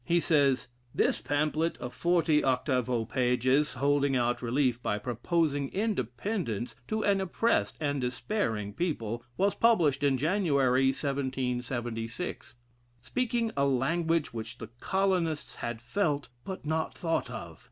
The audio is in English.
He says: "This pamphlet of forty octavo pages, holding out relief by proposing Independence to an oppressed and despairing people, was published in January, 1776; speaking a language which the colonists had felt, but not thought of.